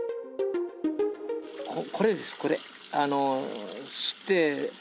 これです、これ。